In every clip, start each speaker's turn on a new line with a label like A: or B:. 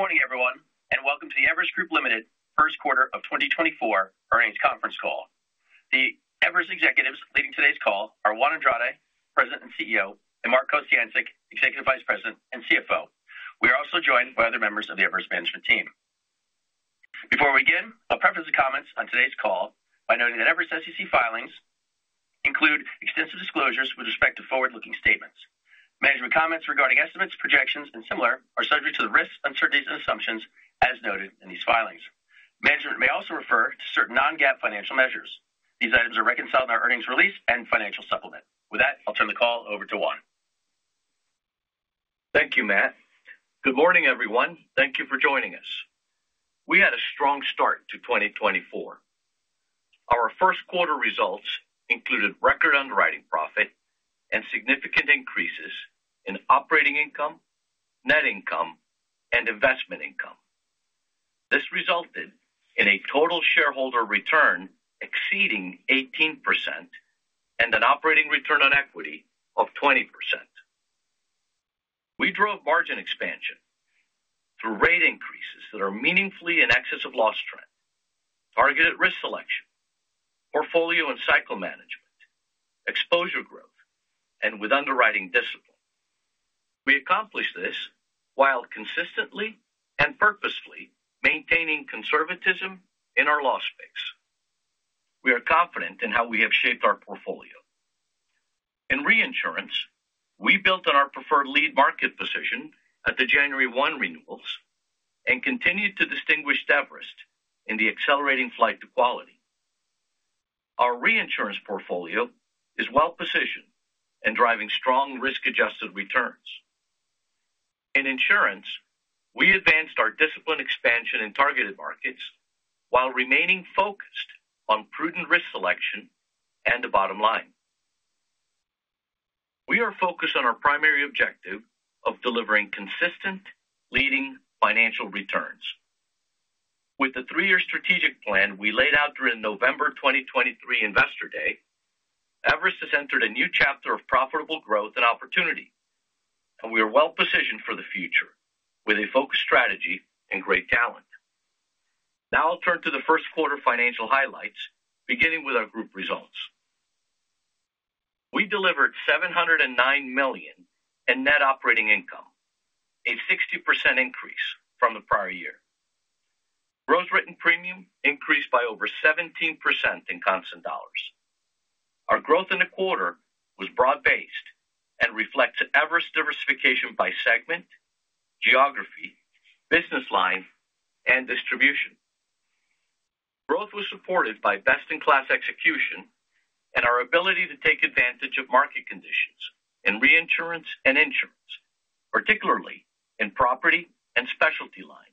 A: Good morning, everyone, and welcome to the Everest Group Limited first quarter of 2024 earnings conference call. The Everest executives leading today's call are Juan Andrade, President and CEO, and Mark Kociancic, Executive Vice President and CFO. We are also joined by other members of the Everest management team. Before we begin, I'll preface the comments on today's call by noting that Everest SEC filings include extensive disclosures with respect to forward-looking statements. Management comments regarding estimates, projections, and similar, are subject to the risks, uncertainties, and assumptions as noted in these filings. Management may also refer to certain non-GAAP financial measures. These items are reconciled in our earnings release and financial supplement. With that, I'll turn the call over to Juan.
B: Thank you, Matt. Good morning, everyone. Thank you for joining us. We had a strong start to 2024. Our first quarter results included record underwriting profit and significant increases in operating income, net income, and investment income. This resulted in a total shareholder return exceeding 18% and an operating return on equity of 20%. We drove margin expansion through rate increases that are meaningfully in excess of loss trend, targeted risk selection, portfolio and cycle management, exposure growth, and with underwriting discipline. We accomplished this while consistently and purposefully maintaining conservatism in our loss base. We are confident in how we have shaped our portfolio. In reinsurance, we built on our preferred lead market position at the January 1 renewals and continued to distinguish Everest in the accelerating flight to quality. Our reinsurance portfolio is well-positioned and driving strong risk-adjusted returns. In insurance, we advanced our disciplined expansion in targeted markets while remaining focused on prudent risk selection and the bottom line. We are focused on our primary objective of delivering consistent, leading financial returns. With the three-year strategic plan we laid out during the November 2023 investor day, Everest has entered a new chapter of profitable growth and opportunity, and we are well-positioned for the future with a focused strategy and great talent. Now I'll turn to the first quarter financial highlights, beginning with our group results. We delivered $709 million in net operating income, a 60% increase from the prior year. Gross written premium increased by over 17% in constant dollars. Our growth in the quarter was broad-based and reflects Everest's diversification by segment, geography, business line, and distribution. Growth was supported by best-in-class execution and our ability to take advantage of market conditions in reinsurance and insurance, particularly in property and specialty lines.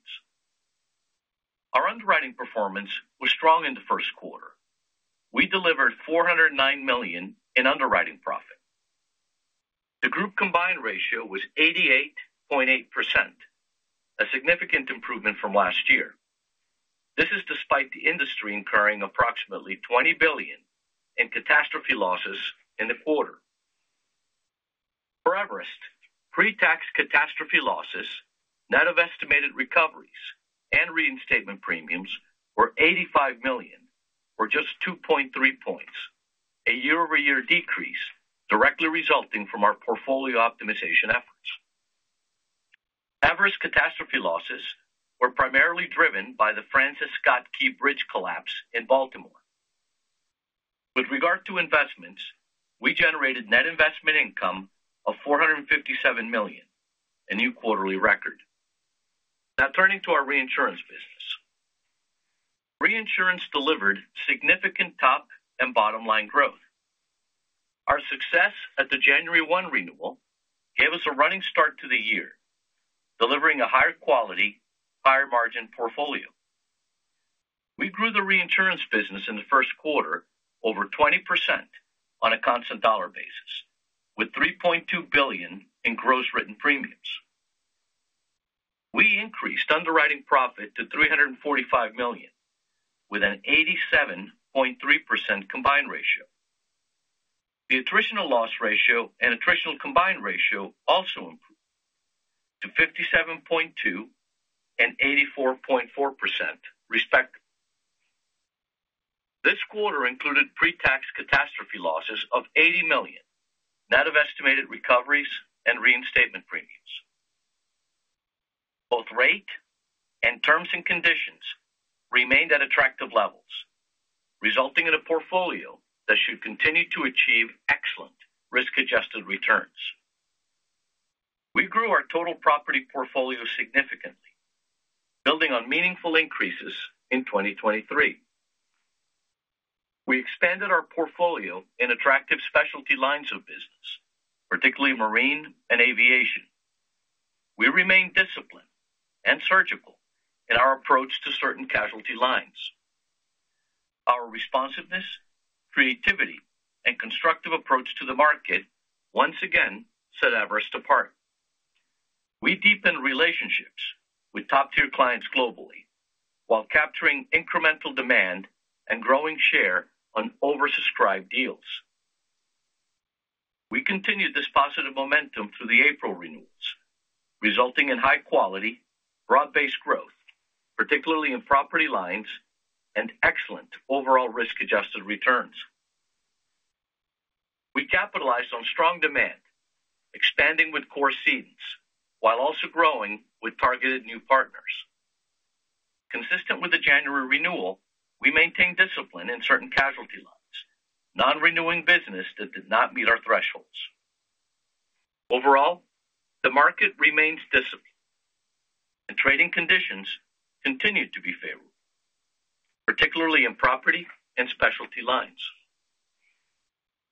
B: Our underwriting performance was strong in the first quarter. We delivered $409 million in underwriting profit. The group combined ratio was 88.8%, a significant improvement from last year. This is despite the industry incurring approximately $20 billion in catastrophe losses in the quarter. For Everest, pretax catastrophe losses, net of estimated recoveries and reinstatement premiums, were $85 million, or just 2.3 points, a year-over-year decrease directly resulting from our portfolio optimization efforts. Everest catastrophe losses were primarily driven by the Francis Scott Key Bridge collapse in Baltimore. With regard to investments, we generated net investment income of $457 million, a new quarterly record. Now turning to our reinsurance business. Reinsurance delivered significant top and bottom-line growth. Our success at the January 1 renewal gave us a running start to the year, delivering a higher quality, higher margin portfolio. We grew the reinsurance business in the first quarter over 20% on a constant dollar basis, with $3.2 billion in gross written premiums. We increased underwriting profit to $345 million, with an 87.3% combined ratio. The attritional loss ratio and attritional combined ratio also improved to 57.2% and 84.4%, respectively. This quarter included pretax catastrophe losses of $80 million, net of estimated recoveries and reinstatement premiums. Both rate and terms and conditions remained at attractive levels, resulting in a portfolio that should continue to achieve excellent risk-adjusted returns. We grew our total property portfolio significantly, building on meaningful increases in 2023. We expanded our portfolio in attractive specialty lines of business, particularly marine and aviation. We remain disciplined and surgical in our approach to certain casualty lines. Our responsiveness, creativity, and constructive approach to the market once again set Everest apart. We deepened relationships with top-tier clients globally while capturing incremental demand and growing share on oversubscribed deals.... We continued this positive momentum through the April renewals, resulting in high quality, broad-based growth, particularly in property lines, and excellent overall risk-adjusted returns. We capitalized on strong demand, expanding with core cedents, while also growing with targeted new partners. Consistent with the January renewal, we maintained discipline in certain casualty lines, non-renewing business that did not meet our thresholds. Overall, the market remains disciplined, and trading conditions continue to be favorable, particularly in property and specialty lines.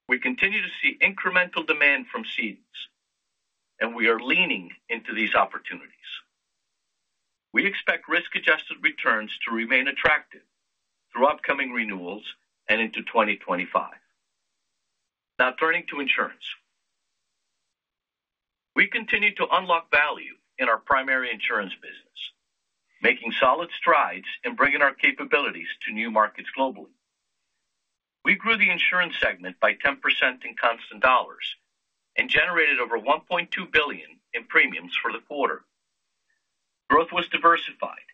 B: We continue to see incremental demand from cedents, and we are leaning into these opportunities. We expect risk-adjusted returns to remain attractive through upcoming renewals and into 2025. Now turning to insurance. We continue to unlock value in our primary insurance business, making solid strides in bringing our capabilities to new markets globally. We grew the insurance segment by 10% in constant dollars and generated over $1.2 billion in premiums for the quarter. Growth was diversified,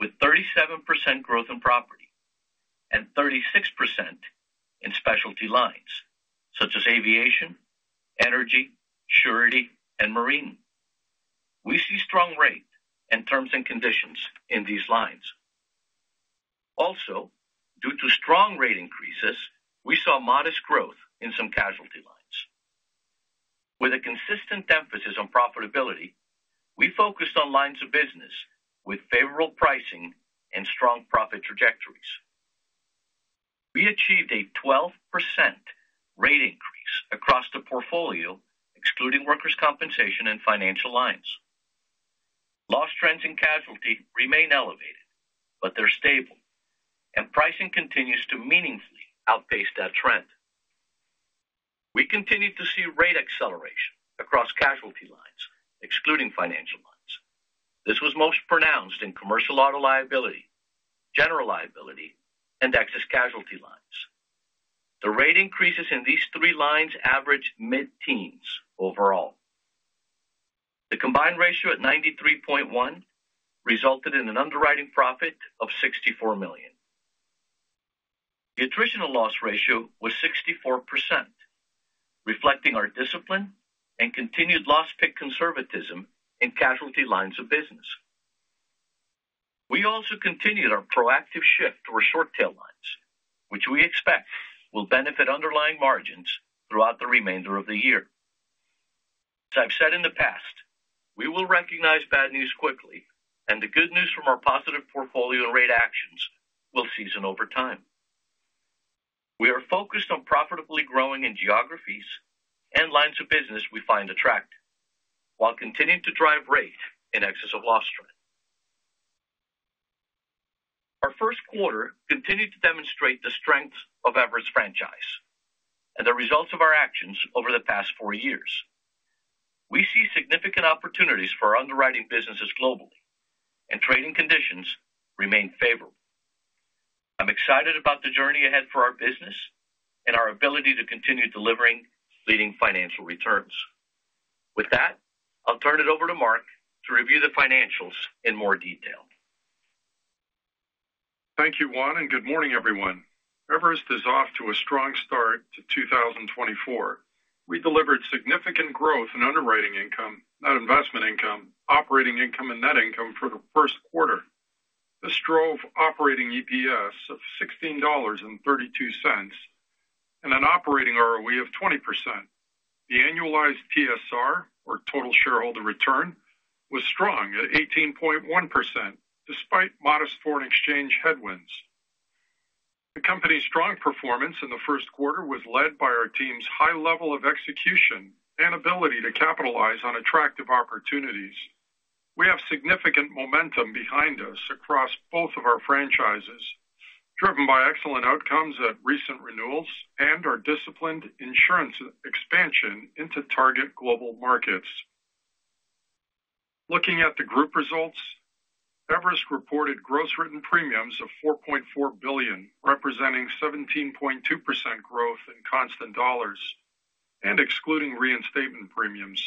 B: with 37% growth in property and 36% in specialty lines, such as aviation, energy, surety, and marine. We see strong rate and terms and conditions in these lines. Also, due to strong rate increases, we saw modest growth in some casualty lines. With a consistent emphasis on profitability, we focused on lines of business with favorable pricing and strong profit trajectories. We achieved a 12% rate increase across the portfolio, excluding workers' compensation and financial lines. Loss trends in casualty remain elevated, but they're stable, and pricing continues to meaningfully outpace that trend. We continued to see rate acceleration across casualty lines, excluding financial lines. This was most pronounced in commercial auto liability, general liability, and excess casualty lines. The rate increases in these three lines averaged mid-teens overall. The combined ratio at 93.1 resulted in an underwriting profit of $64 million. The attritional loss ratio was 64%, reflecting our discipline and continued loss pick conservatism in casualty lines of business. We also continued our proactive shift to our short tail lines, which we expect will benefit underlying margins throughout the remainder of the year. As I've said in the past, we will recognize bad news quickly, and the good news from our positive portfolio rate actions will season over time. We are focused on profitably growing in geographies and lines of business we find attractive, while continuing to drive rate in excess of loss trend. Our first quarter continued to demonstrate the strengths of Everest franchise and the results of our actions over the past four years. We see significant opportunities for our underwriting businesses globally, and trading conditions remain favorable. I'm excited about the journey ahead for our business and our ability to continue delivering leading financial returns. With that, I'll turn it over to Mark to review the financials in more detail.
C: Thank you, Juan, and good morning, everyone. Everest is off to a strong start to 2024. We delivered significant growth in underwriting income, net investment income, operating income, and net income for the first quarter. This drove operating EPS of $16.32, and an operating ROE of 20%. The annualized TSR, or total shareholder return, was strong at 18.1%, despite modest foreign exchange headwinds. The company's strong performance in the first quarter was led by our team's high level of execution and ability to capitalize on attractive opportunities. We have significant momentum behind us across both of our franchises, driven by excellent outcomes at recent renewals and our disciplined insurance expansion into target global markets. Looking at the group results, Everest reported gross written premiums of $4.4 billion, representing 17.2% growth in constant dollars and excluding reinstatement premiums.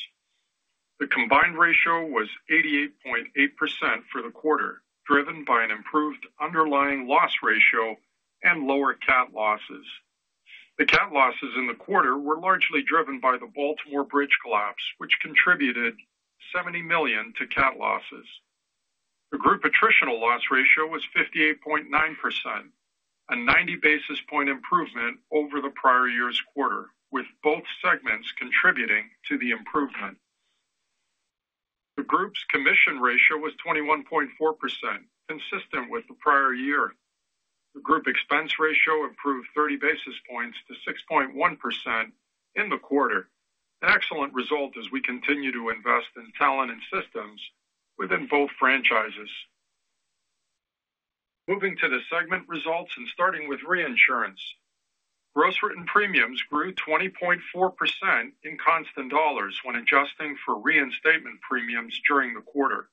C: The combined ratio was 88.8% for the quarter, driven by an improved underlying loss ratio and lower Cat losses. The Cat losses in the quarter were largely driven by the Baltimore bridge collapse, which contributed $70 million to Cat losses. The group attritional loss ratio was 58.9%, a 90 basis point improvement over the prior year's quarter, with both segments contributing to the improvement. The group's commission ratio was 21.4%, consistent with the prior year. The group expense ratio improved 30 basis points to 6.1% in the quarter. An excellent result as we continue to invest in talent and systems within both franchises. Moving to the segment results and starting with reinsurance. Gross written premiums grew 20.4% in constant dollars when adjusting for reinstatement premiums during the quarter.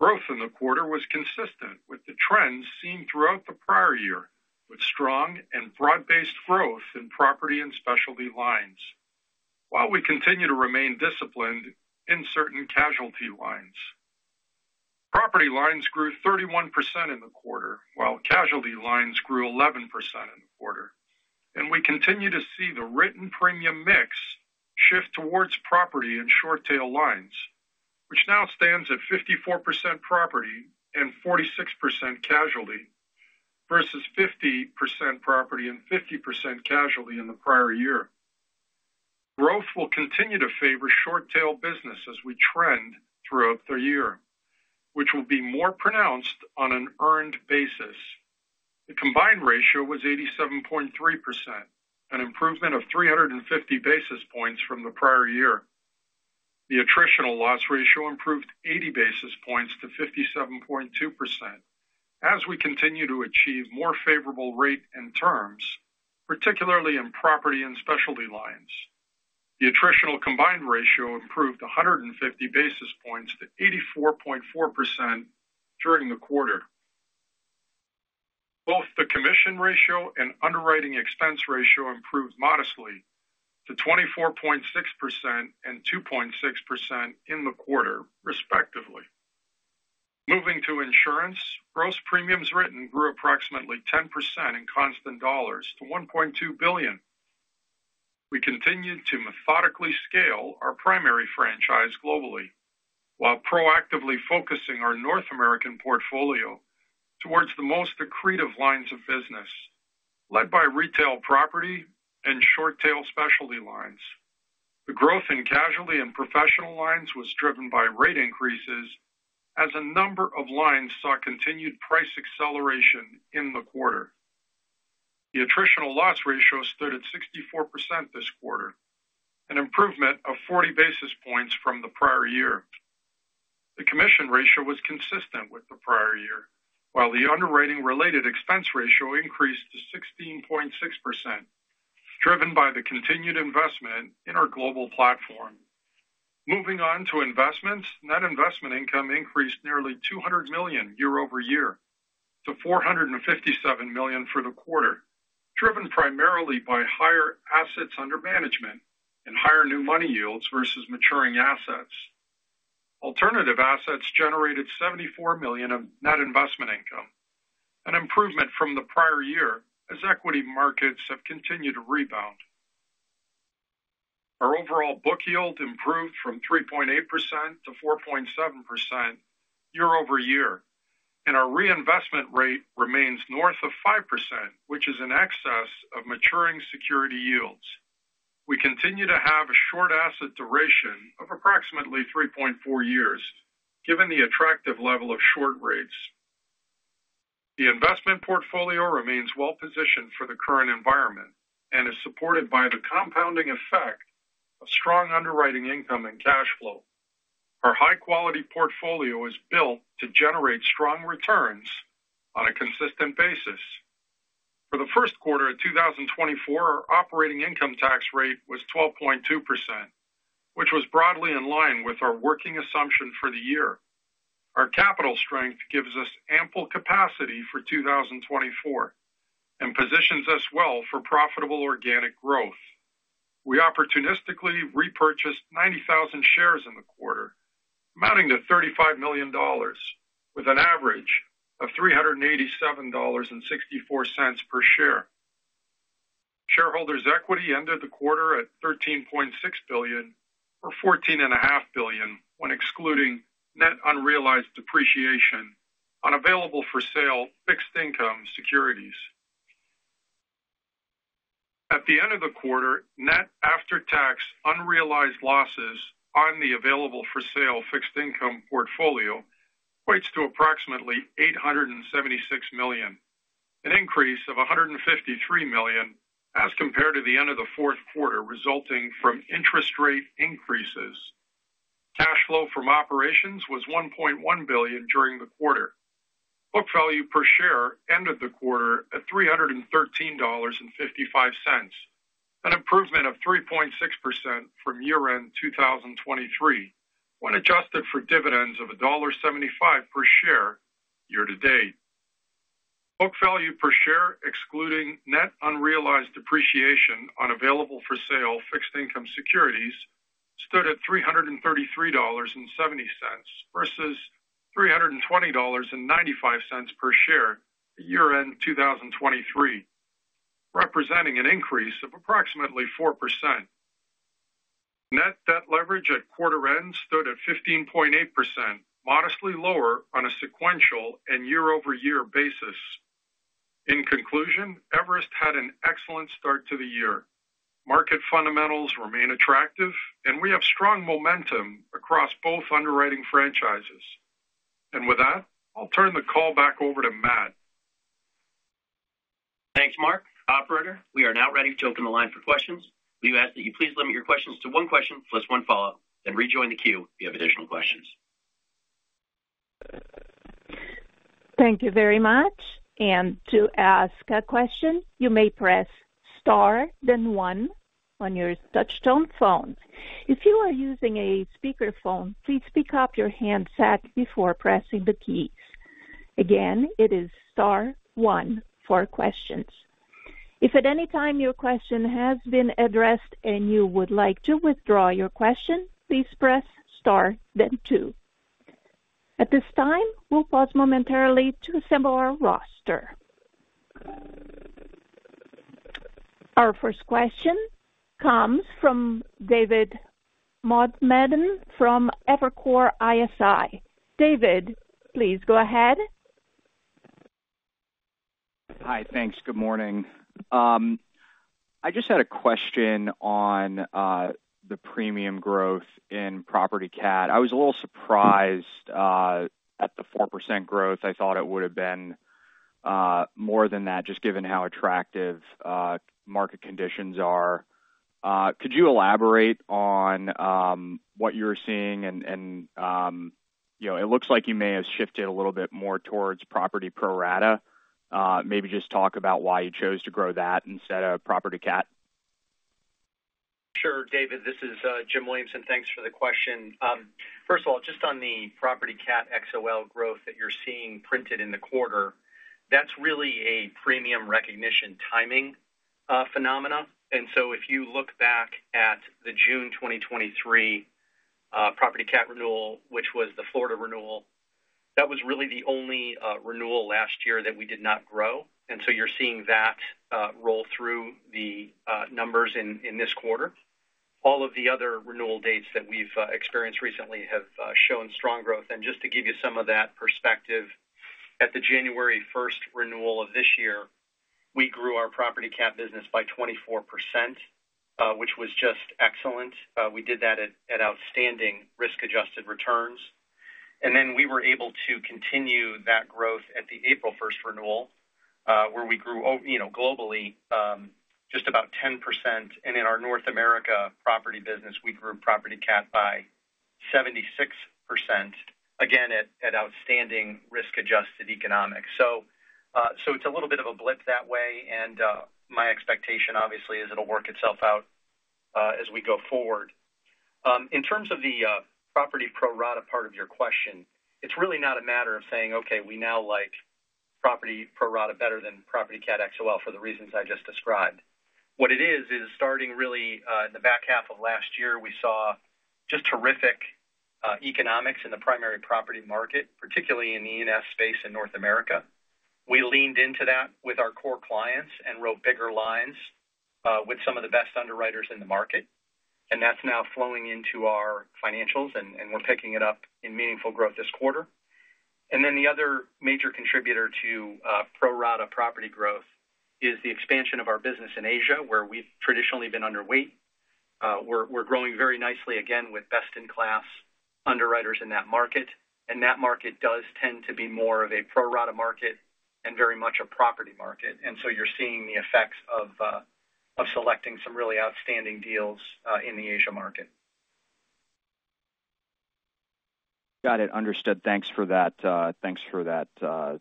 C: Growth in the quarter was consistent with the trends seen throughout the prior year, with strong and broad-based growth in property and specialty lines, while we continue to remain disciplined in certain casualty lines. Property lines grew 31% in the quarter, while casualty lines grew 11% in the quarter, and we continue to see the written premium mix shift towards property and short tail lines, which now stands at 54% property and 46% casualty, versus 50% property and 50% casualty in the prior year. Growth will continue to favor short tail business as we trend throughout the year, which will be more pronounced on an earned basis. The combined ratio was 87.3%, an improvement of 350 basis points from the prior year. The attritional loss ratio improved 80 basis points to 57.2%. As we continue to achieve more favorable rate and terms, particularly in property and specialty lines, the attritional combined ratio improved 150 basis points to 84.4% during the quarter. Both the commission ratio and underwriting expense ratio improved modestly to 24.6% and 2.6% in the quarter, respectively. Moving to insurance, gross premiums written grew approximately 10% in constant dollars to $1.2 billion. We continued to methodically scale our primary franchise globally, while proactively focusing our North American portfolio towards the most accretive lines of business, led by retail property and short tail specialty lines. The growth in casualty and professional lines was driven by rate increases, as a number of lines saw continued price acceleration in the quarter. The attritional loss ratio stood at 64% this quarter, an improvement of 40 basis points from the prior year. The commission ratio was consistent with the prior year, while the underwriting-related expense ratio increased to 16.6%, driven by the continued investment in our global platform. Moving on to investments. Net investment income increased nearly $200 million year-over-year to $457 million for the quarter, driven primarily by higher assets under management and higher new money yields versus maturing assets. Alternative assets generated $74 million of net investment income, an improvement from the prior year as equity markets have continued to rebound. Our overall book yield improved from 3.8% to 4.7% year-over-year, and our reinvestment rate remains north of 5%, which is in excess of maturing security yields. We continue to have a short asset duration of approximately 3.4 years, given the attractive level of short rates. The investment portfolio remains well positioned for the current environment and is supported by the compounding effect of strong underwriting income and cash flow. Our high-quality portfolio is built to generate strong returns on a consistent basis. For the first quarter of 2024, our operating income tax rate was 12.2%, which was broadly in line with our working assumption for the year. Our capital strength gives us ample capacity for 2024 and positions us well for profitable organic growth. We opportunistically repurchased 90,000 shares in the quarter, amounting to $35 million, with an average of $387.64 per share. Shareholders' equity ended the quarter at $13.6 billion, or $14.5 billion, when excluding net unrealized depreciation on available-for-sale fixed income securities. At the end of the quarter, net after-tax unrealized losses on the available-for-sale fixed income portfolio equates to approximately $876 million, an increase of $153 million as compared to the end of the fourth quarter, resulting from interest rate increases. Cash flow from operations was $1.1 billion during the quarter. Book value per share ended the quarter at $313.55, an improvement of 3.6% from year-end 2023, when adjusted for dividends of $1.75 per share year to date. Book value per share, excluding net unrealized depreciation on available-for-sale fixed income securities, stood at $333.70, versus $320.95 per share at year-end 2023, representing an increase of approximately 4%. Net debt leverage at quarter end stood at 15.8%, modestly lower on a sequential and year-over-year basis. In conclusion, Everest had an excellent start to the year. Market fundamentals remain attractive, and we have strong momentum across both underwriting franchises. And with that, I'll turn the call back over to Matt.
A: Thanks, Mark. Operator, we are now ready to open the line for questions. We ask that you please limit your questions to one question plus one follow-up, then rejoin the queue if you have additional questions....
D: Thank you very much. And to ask a question, you may press Star, then one on your touchtone phone. If you are using a speakerphone, please pick up your handset before pressing the keys. Again, it is star one for questions. If at any time your question has been addressed and you would like to withdraw your question, please press star, then two. At this time, we'll pause momentarily to assemble our roster. Our first question comes from David Motemaden from Evercore ISI. David, please go ahead.
E: Hi. Thanks. Good morning. I just had a question on the premium growth in Property Cat. I was a little surprised at the 4% growth. I thought it would have been more than that, just given how attractive market conditions are. Could you elaborate on what you're seeing? And you know, it looks like you may have shifted a little bit more towards property pro rata. Maybe just talk about why you chose to grow that instead of Property Cat.
F: Sure, David, this is Jim Williamson. Thanks for the question. First of all, just Property Cat XOL growth that you're seeing printed in the quarter, that's really a premium recognition timing phenomena. So if you look back at the June 2023 Property Cat renewal, which was the Florida renewal, that was really the only renewal last year that we did not grow. You're seeing that roll through the numbers in this quarter. All of the other renewal dates that we've experienced recently have shown strong growth. Just to give you some of that perspective, at the January 1 renewal of this year, we grew our Property Cat business by 24%, which was just excellent. We did that at outstanding risk-adjusted returns, and then we were able to continue that growth at the April first renewal, where we grew over—you know, globally, just about 10%. And in our North America property business, we grew Property Cat by 76%, again, at outstanding risk-adjusted economics. So, so it's a little bit of a blip that way, and, my expectation, obviously, is it'll work itself out, as we go forward. In terms of the, property pro rata part of your question, it's really not a matter of saying, "Okay, we now like property pro rata Property Cat XOL," for the reasons I just described. What it is, is starting really in the back half of last year, we saw just terrific economics in the primary property market, particularly in the E&S space in North America. We leaned into that with our core clients and wrote bigger lines with some of the best underwriters in the market, and that's now flowing into our financials, and we're picking it up in meaningful growth this quarter. And then the other major contributor to pro rata property growth is the expansion of our business in Asia, where we've traditionally been underweight. We're growing very nicely, again, with best-in-class underwriters in that market, and that market does tend to be more of a pro rata market and very much a property market. And so you're seeing the effects of selecting some really outstanding deals in the Asia market.
E: Got it. Understood. Thanks for that, thanks for that,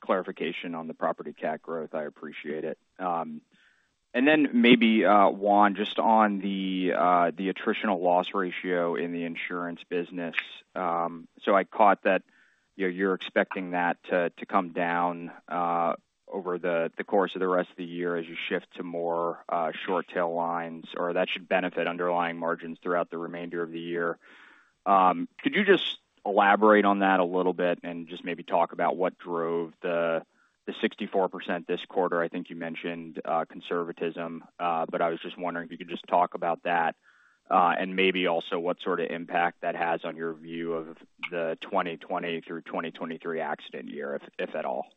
E: clarification on the Property Cat growth. I appreciate it. And then maybe, Juan, just on the, the attritional loss ratio in the insurance business. So I caught that, you know, you're expecting that to, to come down, over the, the course of the rest of the year as you shift to more, short tail lines, or that should benefit underlying margins throughout the remainder of the year. Could you just elaborate on that a little bit and just maybe talk about what drove the, the 64% this quarter? I think you mentioned conservatism, but I was just wondering if you could just talk about that, and maybe also what sort of impact that has on your view of the 2020 through 2023 accident year, if at all?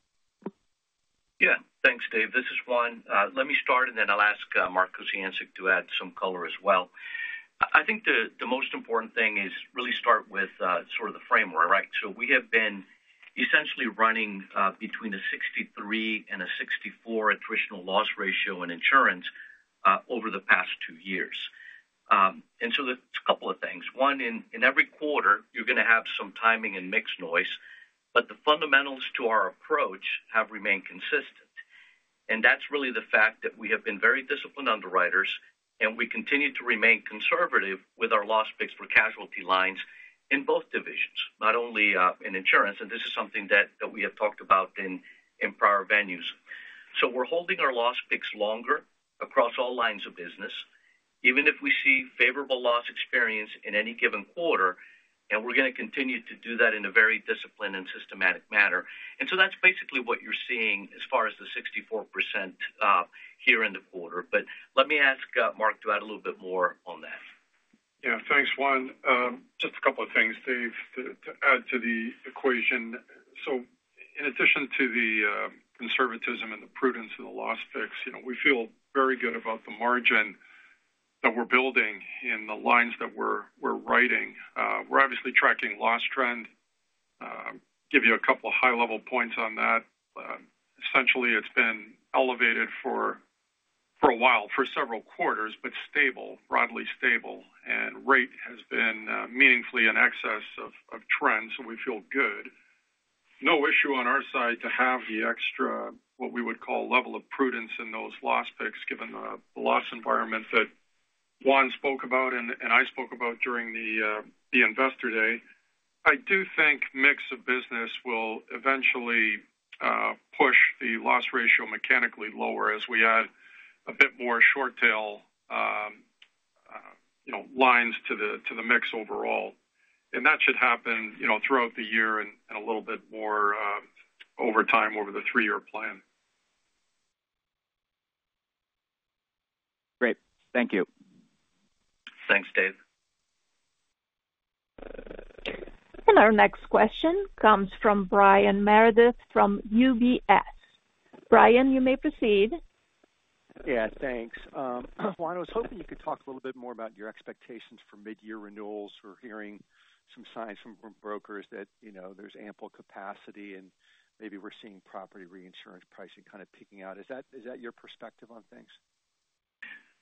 B: Yeah. Thanks, Dave. This is Juan. Let me start, and then I'll ask Mark Kociancic to add some color as well. I think the most important thing is really start with sort of the framework, right? So we have been essentially running between a 63 and a 64 attritional loss ratio in insurance over the past two years. And so there's a couple of things. One, in every quarter, you're going to have some timing and mix noise, but the fundamentals to our approach have remained consistent, and that's really the fact that we have been very disciplined underwriters, and we continue to remain conservative with our loss picks for casualty lines in both divisions, not only in insurance, and this is something that we have talked about in prior venues. So we're holding our loss picks longer across all lines of business, even if we see favorable loss experience in any given quarter, and we're going to continue to do that in a very disciplined and systematic manner. And so that's basically what you're seeing as far as the 64%, here in the quarter. But let me ask, Mark to add a little bit more on that.
F: Yeah. Thanks, Juan. Just a couple of things, Dave, to add to the equation. So in addition to the conservatism and the prudence and the loss picks, you know, we feel very good about the margin that we're building in the lines that we're writing. We're obviously tracking loss trend. Give you a couple of high-level points on that....
C: essentially, it's been elevated for a while, for several quarters, but stable, broadly stable, and rate has been meaningfully in excess of trends, so we feel good. No issue on our side to have the extra, what we would call, level of prudence in those loss picks, given the loss environment that Juan spoke about and I spoke about during the investor day. I do think mix of business will eventually push the loss ratio mechanically lower as we add a bit more short tail, you know, lines to the mix overall. That should happen, you know, throughout the year and a little bit more over time, over the three-year plan.
E: Great. Thank you.
B: Thanks, Dave.
D: Our next question comes from Brian Meredith, from UBS. Brian, you may proceed.
G: Yeah, thanks. Juan, I was hoping you could talk a little bit more about your expectations for mid-year renewals. We're hearing some signs from brokers that, you know, there's ample capacity, and maybe we're seeing property reinsurance pricing kind of peaking out. Is that your perspective on things?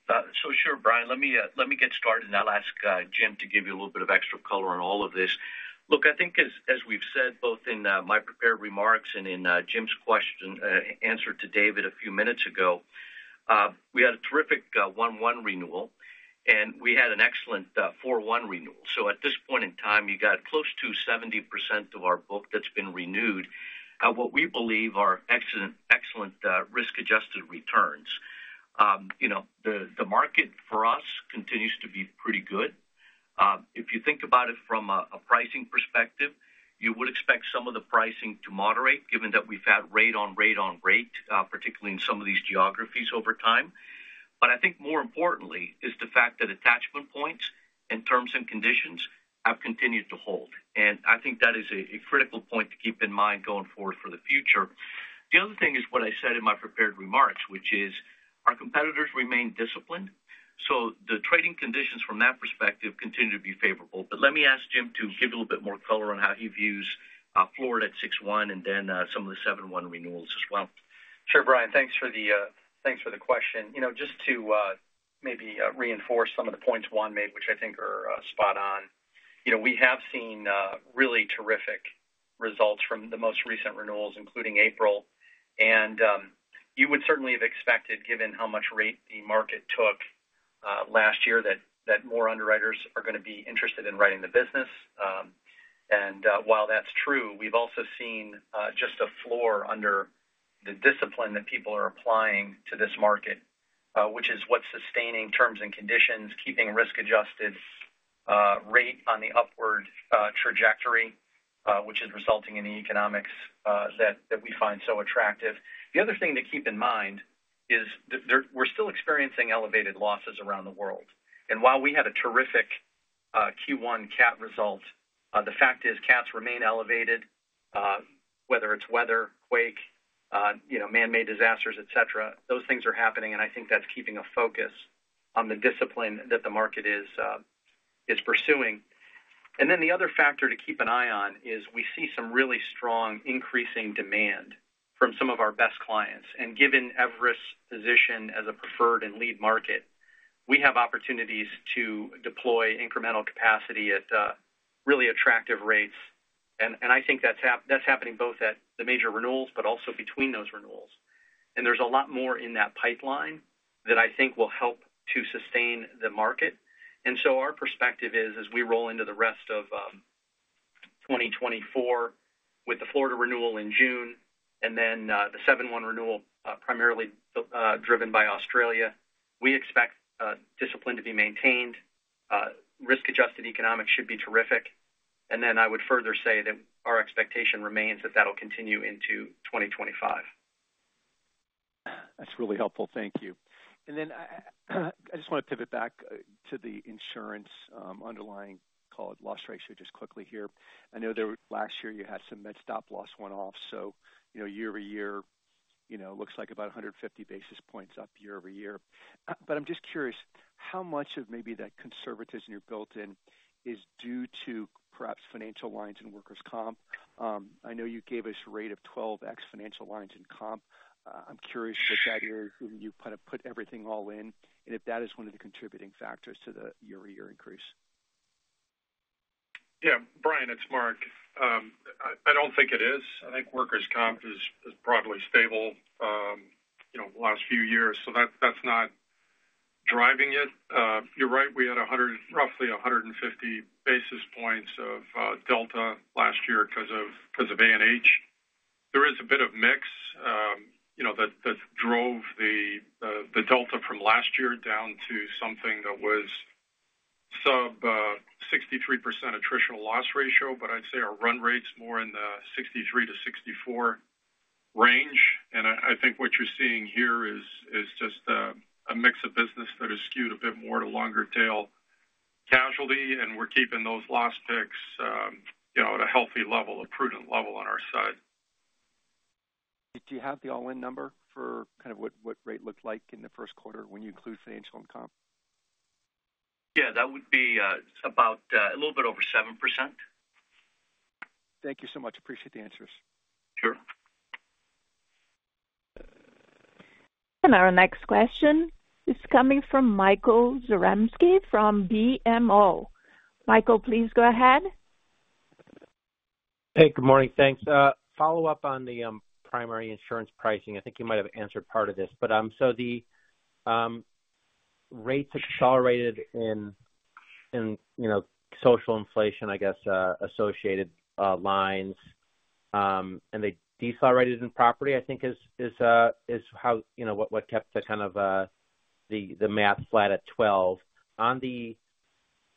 B: So sure, Brian, let me get started, and I'll ask Jim to give you a little bit of extra color on all of this. Look, I think as we've said, both in my prepared remarks and in Jim's answer to David a few minutes ago, we had a terrific January 1 renewal, and we had an excellent April 1 renewal. So at this point in time, you got close to 70% of our book that's been renewed at what we believe are excellent, excellent risk-adjusted returns. You know, the market for us continues to be pretty good. If you think about it from a pricing perspective, you would expect some of the pricing to moderate, given that we've had rate on rate on rate, particularly in some of these geographies over time. But I think more importantly is the fact that attachment points and terms and conditions have continued to hold, and I think that is a critical point to keep in mind going forward for the future. The other thing is what I said in my prepared remarks, which is our competitors remain disciplined, so the trading conditions from that perspective continue to be favorable. But let me ask Jim to give a little bit more color on how he views Florida at June 1, and then some of the July 1 renewals as well.
F: Sure, Brian, thanks for the thanks for the question. You know, just to maybe reinforce some of the points Juan made, which I think are spot on. You know, we have seen really terrific results from the most recent renewals, including April. And you would certainly have expected, given how much rate the market took last year, that that more underwriters are gonna be interested in writing the business. And while that's true, we've also seen just a floor under the discipline that people are applying to this market, which is what's sustaining terms and conditions, keeping risk-adjusted rate on the upward trajectory, which is resulting in the economics that we find so attractive. The other thing to keep in mind is that there, we're still experiencing elevated losses around the world. While we had a terrific Q1 Cat result, the fact is cats remain elevated, whether it's weather, quake, you know, man-made disasters, et cetera. Those things are happening, and I think that's keeping a focus on the discipline that the market is pursuing. Then the other factor to keep an eye on is we see some really strong increasing demand from some of our best clients. Given Everest's position as a preferred and lead market, we have opportunities to deploy incremental capacity at really attractive rates. And I think that's happening both at the major renewals but also between those renewals. And there's a lot more in that pipeline that I think will help to sustain the market. So our perspective is, as we roll into the rest of 2024, with the Florida renewal in June and then the July 1 renewal, primarily driven by Australia, we expect discipline to be maintained, risk-adjusted economics should be terrific. And then I would further say that our expectation remains that that'll continue into 2025.
G: That's really helpful. Thank you. I just want to pivot back to the insurance underlying, call it, loss ratio, just quickly here. I know there were last year you had some med stop loss one-off, so, you know, year-over-year, you know, looks like about 150 basis points up year-over-year. But I'm just curious, how much of maybe that conservatism you built in is due to perhaps financial lines and workers' comp? I know you gave us rate of 12x financial lines and comp. I'm curious if that is where you kind of put everything all in, and if that is one of the contributing factors to the year-over-year increase.
C: Yeah, Brian, it's Mark. I don't think it is. I think workers' comp is broadly stable, you know, the last few years, so that's not driving it. You're right, we had 100, roughly 150 basis points of delta last year because of A&H. There is a bit of mix, you know, that drove the delta from last year down to something that was sub 63% attritional loss ratio, but I'd say our run rate's more in the 63 to 64 range. And I think what you're seeing here is just a mix of business that is skewed a bit more to longer tail casualty, and we're keeping those loss picks, you know, at a healthy level, a prudent level on our side.
G: Do you have the all-in number for kind of what, what rate looked like in the first quarter when you include financial and comp?...
B: Yeah, that would be, about, a little bit over 7%.
F: Thank you so much. Appreciate the answers.
B: Sure.
D: Our next question is coming from Michael Zaremski from BMO. Michael, please go ahead.
H: Hey, good morning. Thanks. Follow-up on the primary insurance pricing. I think you might have answered part of this, but so the rates accelerated in, you know, social inflation, I guess, associated lines, and they decelerated in property, I think is how, you know, what kept the kind of the math flat at 12. On the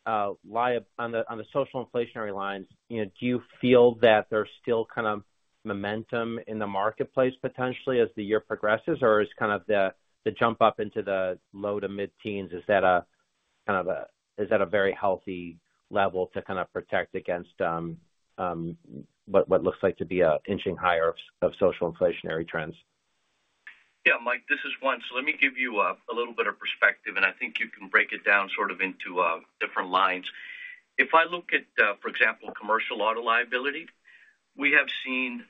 H: social inflationary lines, you know, do you feel that there's still kind of momentum in the marketplace potentially as the year progresses? Or is kind of the jump up into the low to mid-teens, is that a kind of a-- is that a very healthy level to kind of protect against what looks like to be an inching higher of social inflationary trends?
B: Yeah, Mike, this is Juan. So let me give you a little bit of perspective, and I think you can break it down sort of into different lines. If I look at, for example, commercial auto liability, we have seen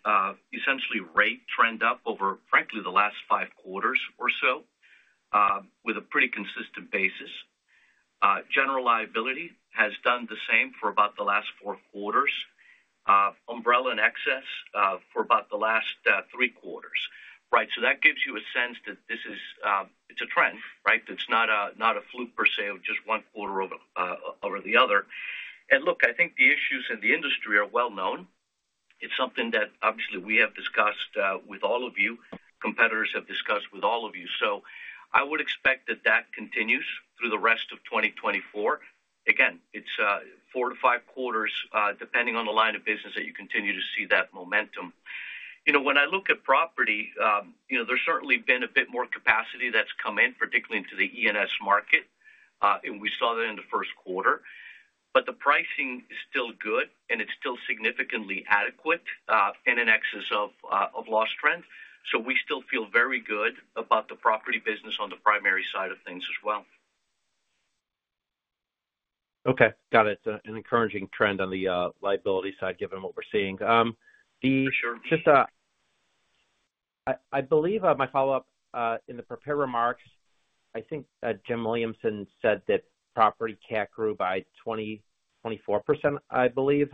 B: essentially rate trend up over, frankly, the last five quarters or so, with a pretty consistent basis. General liability has done the same for about the last four quarters, umbrella and excess for about the last three quarters, right? So that gives you a sense that this is, it's a trend, right? It's not a, not a fluke per se, of just one quarter over over the other. And look, I think the issues in the industry are well known. It's something that obviously we have discussed with all of you, competitors have discussed with all of you. So I would expect that that continues through the rest of 2024. Again, it's, four to five quarters, depending on the line of business, that you continue to see that momentum. You know, when I look at property, you know, there's certainly been a bit more capacity that's come in, particularly into the E&S market, and we saw that in the first quarter. But the pricing is still good, and it's still significantly adequate, and in excess of loss trend. So we still feel very good about the property business on the primary side of things as well.
H: Okay, got it. An encouraging trend on the liability side, given what we're seeing.
B: Sure.
H: Just, I believe my follow-up in the prepared remarks, I think, Jim Williamson said that Property Cat grew by 24%, I believe.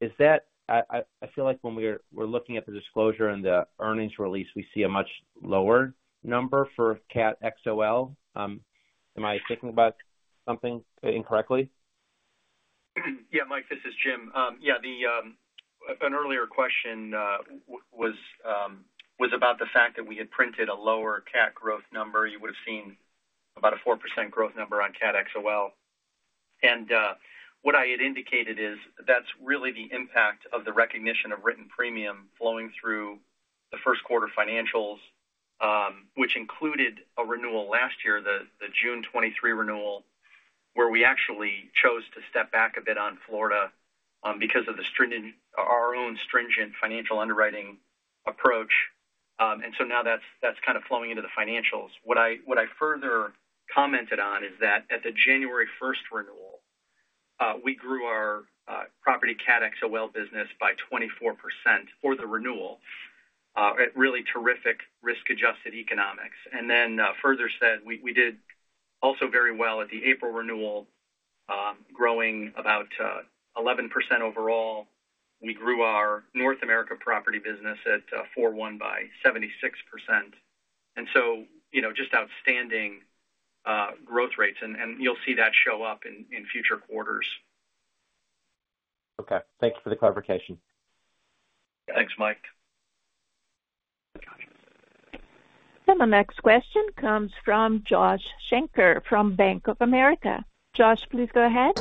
H: Is that... I feel like when we're looking at the disclosure and the earnings release, we see a much lower number for Cat XOL. Am I thinking about something incorrectly?
F: Yeah, Mike, this is Jim. Yeah, an earlier question was about the fact that we had printed a lower CAT growth number. You would've seen about a 4% growth number on Cat XOL. And what I had indicated is that's really the impact of the recognition of written premium flowing through the first quarter financials, which included a renewal last year, the June 2023 renewal, where we actually chose to step back a bit on Florida because of our own stringent financial underwriting approach. And so now that's kind of flowing into the financials. What I further commented on is that at the January 1 renewal, we Property Cat XOL business by 24% for the renewal at really terrific risk-adjusted economics. And then, further said, we did also very well at the April renewal, growing about 11% overall. We grew our North America property business at 41 by 76%. And so, you know, just outstanding growth rates, and you'll see that show up in future quarters.
H: Okay. Thank you for the clarification.
F: Thanks, Mike.
D: The next question comes from Josh Shanker from Bank of America. Josh, please go ahead.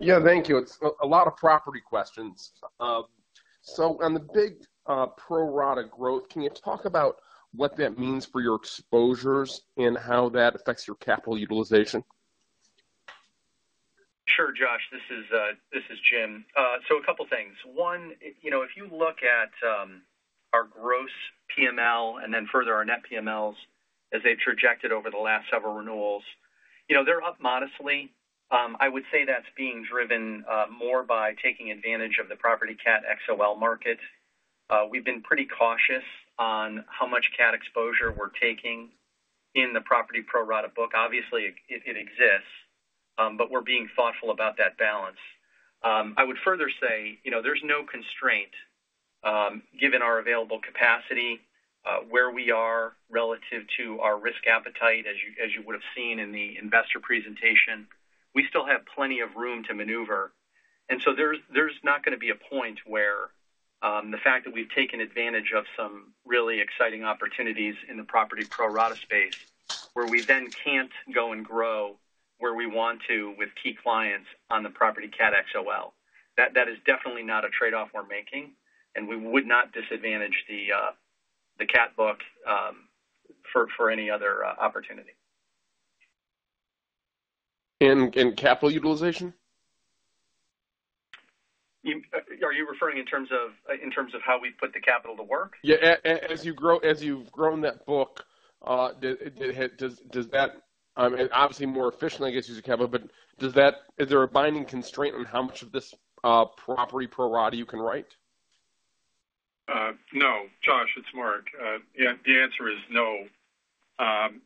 I: Yeah, thank you. It's a lot of property questions. So on the big pro rata growth, can you talk about what that means for your exposures and how that affects your capital utilization?
F: Sure, Josh, this is, this is Jim. So a couple things. One, you know, if you look at, our gross PML and then further our net PMLs as they've trajected over the last several renewals, you know, they're up modestly. I would say that's being driven, more by taking advantage Property Cat XOL market. we've been pretty cautious on how much Cat exposure we're taking in the property pro rata book. Obviously, it, it exists, but we're being thoughtful about that balance. I would further say, you know, there's no constraint, given our available capacity, where we are relative to our risk appetite, as you, as you would have seen in the investor presentation, we still have plenty of room to maneuver. And so there's not gonna be a point where the fact that we've taken advantage of some really exciting opportunities in the property pro rata space, where we then can't go and grow where we want to with key clients Property Cat XOL. that is definitely not a trade-off we're making, and we would not disadvantage the Cat book for any other opportunity.
I: And capital utilization?...
F: Are you referring in terms of how we put the capital to work?
I: Yeah, as you grow, as you've grown that book, does that, and obviously more efficiently, I guess, use the capital, but does that—is there a binding constraint on how much of this property pro rata you can write?
C: No. Josh, it's Mark. Yeah, the answer is no.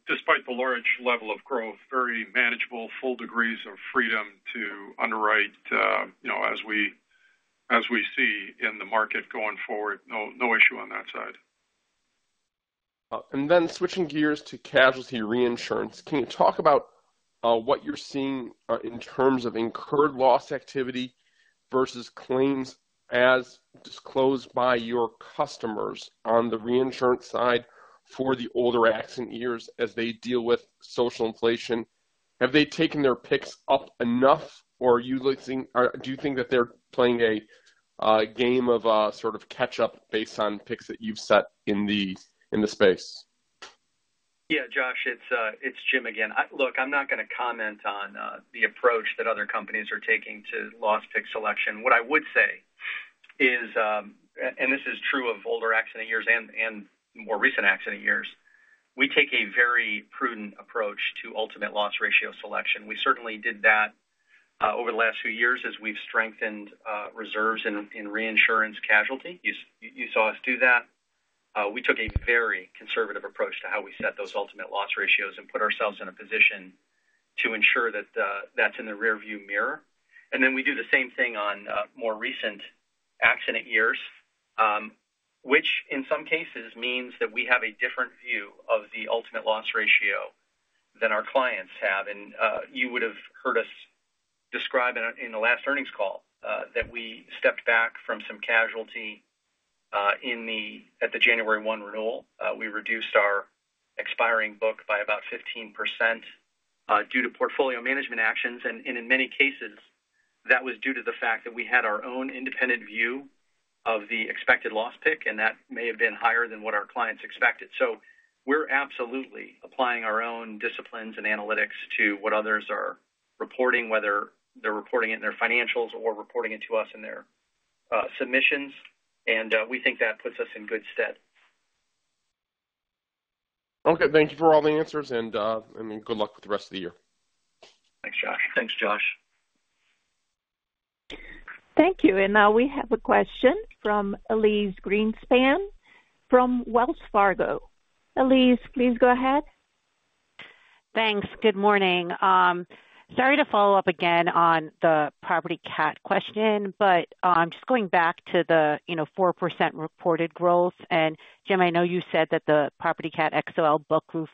C: Despite the large level of growth, very manageable, full degrees of freedom to underwrite, you know, as we see in the market going forward. No, no issue on that side.
I: Then switching gears to casualty reinsurance. Can you talk about what you're seeing in terms of incurred loss activity versus claims as disclosed by your customers on the reinsurance side for the older accident years as they deal with social inflation? Have they taken their picks up enough, or do you think that they're playing a game of sort of catch up based on picks that you've set in the space?
F: Yeah, Josh, it's, it's Jim again. Look, I'm not going to comment on the approach that other companies are taking to loss pick selection. What I would say is, and this is true of older accident years and more recent accident years, we take a very prudent approach to ultimate loss ratio selection. We certainly did that over the last few years as we've strengthened reserves in reinsurance casualty. You saw us do that. We took a very conservative approach to how we set those ultimate loss ratios and put ourselves in a position to ensure that that's in the rearview mirror. And then we do the same thing on more recent accident years, which in some cases means that we have a different view of the ultimate loss ratio than our clients have. You would have heard us describe in the last earnings call that we stepped back from some casualty at the January 1 renewal. We reduced our expiring book by about 15% due to portfolio management actions, and in many cases, that was due to the fact that we had our own independent view of the expected loss pick, and that may have been higher than what our clients expected. We're absolutely applying our own disciplines and analytics to what others are reporting, whether they're reporting it in their financials or reporting it to us in their submissions, and we think that puts us in good stead.
I: Okay, thank you for all the answers, and good luck with the rest of the year.
F: Thanks, Josh.
C: Thanks, Josh.
D: Thank you. Now we have a question from Elyse Greenspan, from Wells Fargo. Elyse, please go ahead.
J: Thanks. Good morning. Sorry to follow up again on the Property Cat question, but I'm just going back to the, you know, 4% reported growth. And Jim, I know you said Property Cat XOL book grew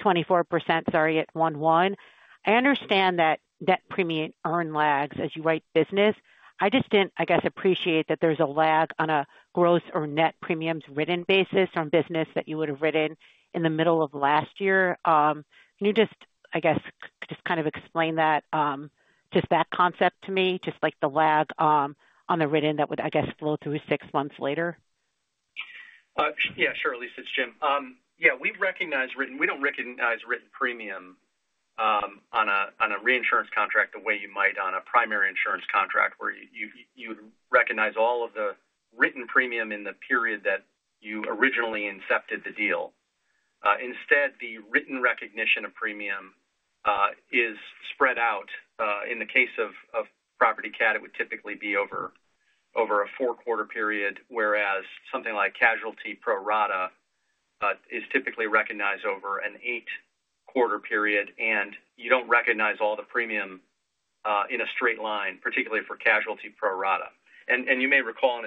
J: 24%, sorry, atJanuary 1. I understand that that premium earn lags as you write business. I just didn't, I guess, appreciate that there's a lag on a growth or net premiums written basis on business that you would have written in the middle of last year. Can you just, I guess, just kind of explain that, just that concept to me, just like the lag on the written that would, I guess, flow through six months later?
F: Yeah, sure, Elyse. It's Jim. Yeah, we've recognized written. We don't recognize written premium on a reinsurance contract, the way you might on a primary insurance contract, where you'd recognize all of the written premium in the period that you originally incepted the deal. Instead, the written recognition of premium is spread out. In the case of Property Cat, it would typically be over a four-quarter period, whereas something like casualty pro rata is typically recognized over an eight-quarter period, and you don't recognize all the premium in a straight line, particularly for casualty pro rata. You may recall,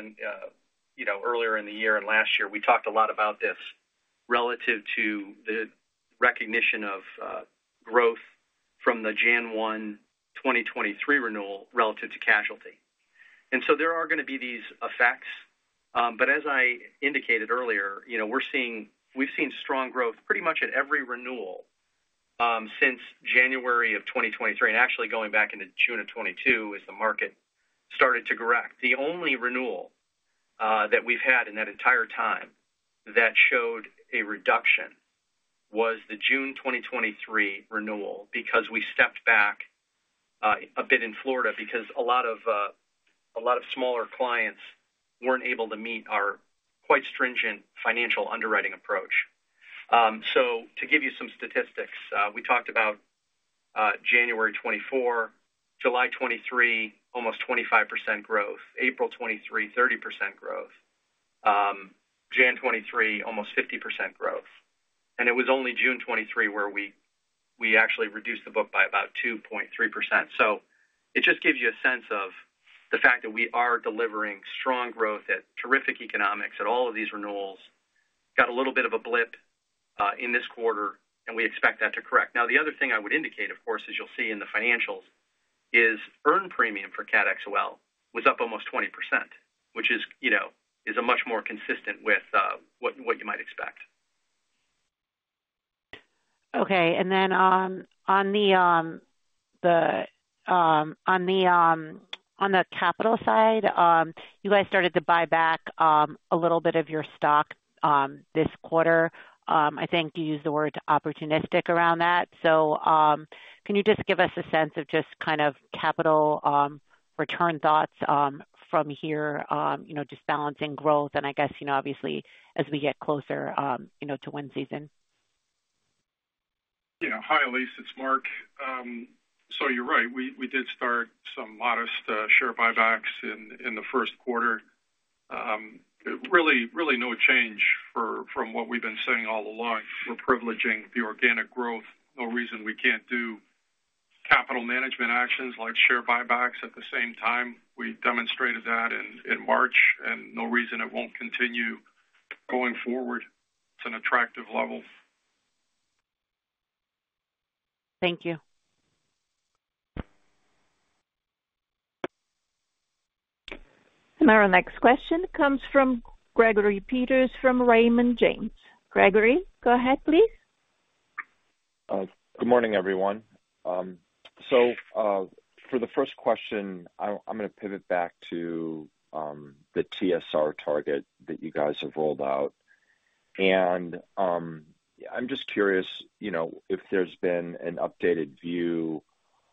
F: you know, earlier in the year and last year, we talked a lot about this relative to the recognition of growth from the January 1, 2023 renewal relative to casualty. And so there are going to be these effects, but as I indicated earlier, you know, we're seeing—we've seen strong growth pretty much at every renewal, since January 2023, and actually going back into June 2022, as the market started to correct. The only renewal that we've had in that entire time that showed a reduction was the June 2023 renewal, because we stepped back a bit in Florida because a lot of a lot of smaller clients weren't able to meet our quite stringent financial underwriting approach. So to give you some statistics, we talked about January 2024, July 2023, almost 25% growth. April 2023, 30% growth. January 2023, almost 50% growth. It was only June 23, where we actually reduced the book by about 2.3%. So it just gives you a sense of the fact that we are delivering strong growth at terrific economics at all of these renewals. Got a little bit of a blip in this quarter, and we expect that to correct. Now, the other thing I would indicate, of course, as you'll see in the financials, is earned premium for Cat XOL was up almost 20%, which is, you know, is a much more consistent with what you might expect. ...
J: Okay, and then, on the capital side, you guys started to buy back a little bit of your stock this quarter. I think you used the word opportunistic around that. So, can you just give us a sense of just kind of capital return thoughts from here, you know, just balancing growth, and I guess, you know, obviously, as we get closer to wind season?
C: Yeah. Hi, Elyse, it's Mark. So you're right, we did start some modest share buybacks in the first quarter. Really, really no change from what we've been saying all along. We're privileging the organic growth. No reason we can't do capital management actions like share buybacks at the same time. We demonstrated that in March, and no reason it won't continue going forward. It's an attractive level.
J: Thank you.
D: Our next question comes from Gregory Peters, from Raymond James. Gregory, go ahead, please.
K: Good morning, everyone. For the first question, I'm going to pivot back to the TSR target that you guys have rolled out. I'm just curious, you know, if there's been an updated view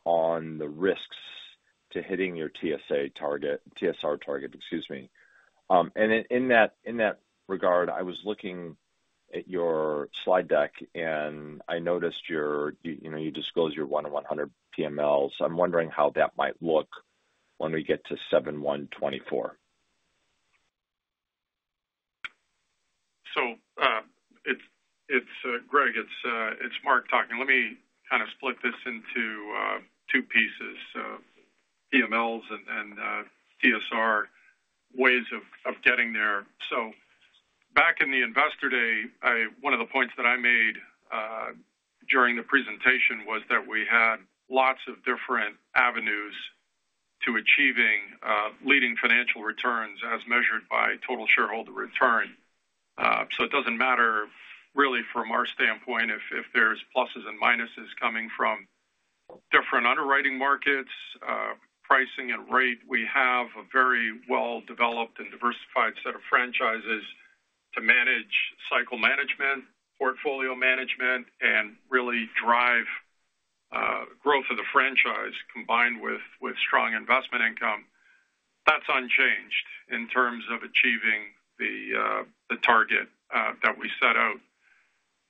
K: on the risks to hitting your TSA target--TSR target, excuse me. In that regard, I was looking at your slide deck, and I noticed, you know, you disclose your one in 100 PMLs. I'm wondering how that might look when we get to July 1, 2024.
C: So, it's Greg, it's Mark talking. Let me kind of split this into two pieces, PMLs and TSR ways of getting there. So back in the Investor Day, I—one of the points that I made during the presentation was that we had lots of different avenues to achieving leading financial returns as measured by total shareholder return. So it doesn't matter, really, from our standpoint, if there's pluses and minuses coming from different underwriting markets, pricing and rate. We have a very well-developed and diversified set of franchises to manage cycle management, portfolio management, and really drive growth of the franchise, combined with strong investment income. That's unchanged in terms of achieving the target that we set out.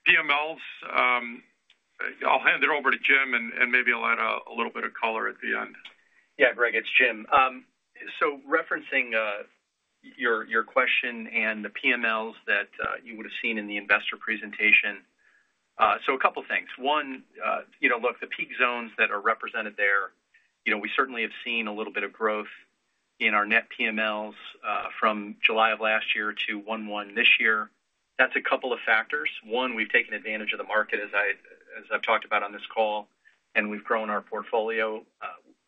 C: PMLs, I'll hand it over to Jim, and maybe I'll add a little bit of color at the end.
F: Yeah, Greg, it's Jim. So referencing your question and the PMLs that you would have seen in the investor presentation. So a couple things. One, you know, look, the peak zones that are represented there, you know, we certainly have seen a little bit of growth in our net PMLs from July of last year to one-one this year. That's a couple of factors. One, we've taken advantage of the market, as I've talked about on this call, and we've grown our portfolio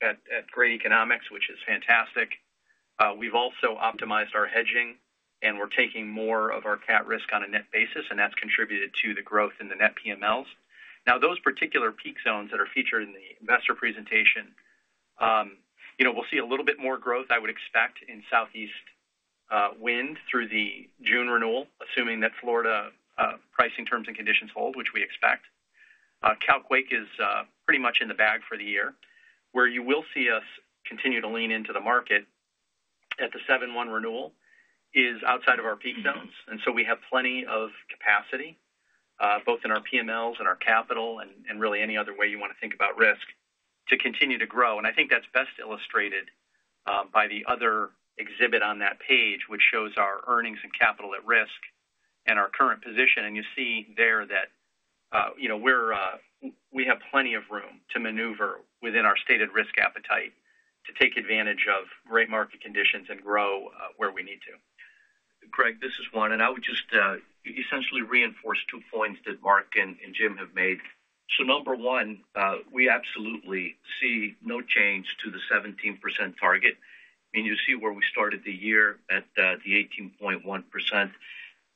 F: at great economics, which is fantastic. We've also optimized our hedging, and we're taking more of our cat risk on a net basis, and that's contributed to the growth in the net PMLs. Now, those particular peak zones that are featured in the investor presentation, you know, we'll see a little bit more growth, I would expect, in Southeast wind through the June renewal, assuming that Florida pricing terms and conditions hold, which we expect. Cal Quake is pretty much in the bag for the year. Where you will see us continue to lean into the market at the July 1 renewal is outside of our peak zones, and so we have plenty of capacity both in our PMLs and our capital and, and really any other way you want to think about risk, to continue to grow. And I think that's best illustrated by the other exhibit on that page, which shows our earnings and capital at risk and our current position. You see there that, you know, we have plenty of room to maneuver within our stated risk appetite to take advantage of great market conditions and grow where we need to.
B: Greg, this is Juan, and I would just essentially reinforce two points that Mark and Jim have made. So number one, we absolutely see no change to the 17% target, and you see where we started the year at the 18.1%.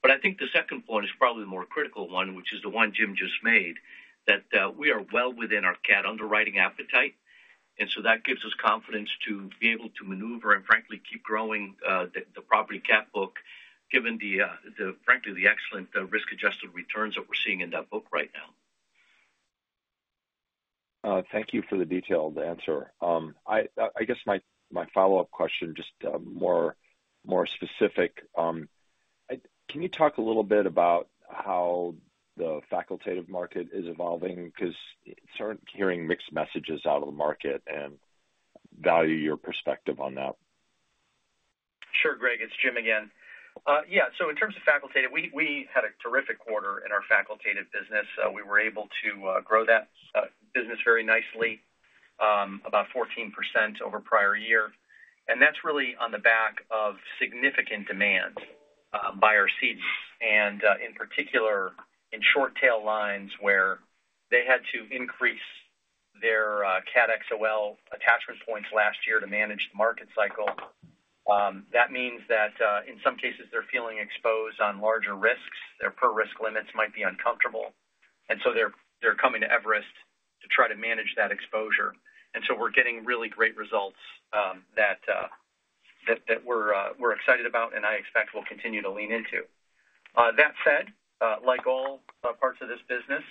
B: But I think the second point is probably the more critical one, which is the one Jim just made, that we are well within our Cat underwriting appetite, and so that gives us confidence to be able to maneuver and frankly keep growing the Property Cat book, given the frankly the excellent risk-adjusted returns that we're seeing in that book right now.
K: Thank you for the detailed answer. I guess my follow-up question, just more specific. Can you talk a little bit about how the facultative market is evolving? Because I started hearing mixed messages out of the market and value your perspective on that.
F: Sure, Greg, it's Jim again. Yeah, so in terms of facultative, we had a terrific quarter in our facultative business. We were able to grow that business very nicely, about 14% over prior year. And that's really on the back of significant demand by our cedents, and in particular in short tail lines where they had to increase their Cat XOL attachment points last year to manage the market cycle. That means that in some cases they're feeling exposed on larger risks. Their per risk limits might be uncomfortable, and so they're coming to Everest to try to manage that exposure. And so we're getting really great results that we're excited about, and I expect we'll continue to lean into. That said, like all parts of this business,